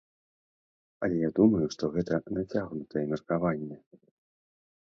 Але я думаю, што гэта нацягнутае меркаванне.